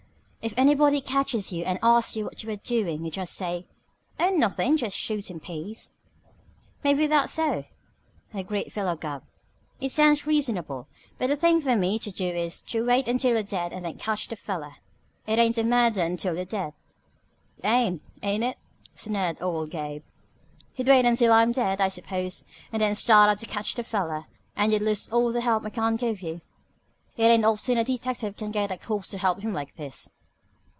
If anybody catches you and asks you what you're doin' you just say, 'Oh, nothin'. Just shootin' peas.'" "Maybe that's so," agreed Philo Gubb. "It sounds reasonable. But the thing for me to do is to wait until you're dead and then catch the feller. It ain't a murder until you're dead." "It ain't, ain't it?" sneered old Gabe. "You'd wait until I am dead, I suppose, and then start out to catch the feller. And you'd lose all the help I can give you. It ain't often a detective can get the corpse to help him like this."